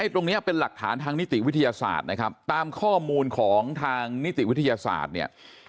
ตรงนี้เป็นหลักฐานทางนิติวิทยาศาสตร์นะครับตามข้อมูลของทางนิติวิทยาศาสตร์เนี่ย